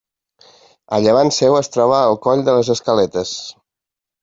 A llevant seu es troba el coll de les Escaletes.